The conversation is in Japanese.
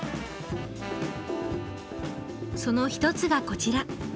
その一つがこちら。